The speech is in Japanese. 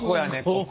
ここ。